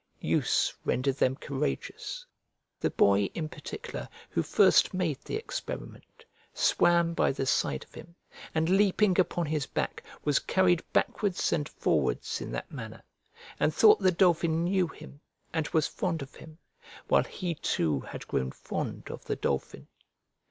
Use rendered them courageous. The boy, in particular, who first made the experiment, swam by the side of him, and, leaping upon his back, was carried backwards and forwards in that manner, and thought the dolphin knew him and was fond of him, while he too had grown fond of the dolphin.